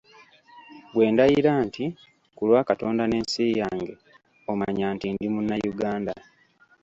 Bwe ndayira nti, ῝Ku lwa Katonda n'ensi yange, ” omanya nti ndi Munnayuganda.